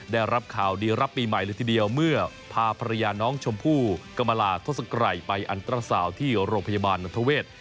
ได้รับข่าวดีรับปีใหม่เลยทีเดียวเมื่อพาภรรยาน้องชมพู่กรรมลาทศกรัยไปอันตรสาวที่โรงพยาบาลนทเวศ